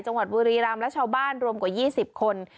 บุรีรำและชาวบ้านรวมกว่า๒๐คน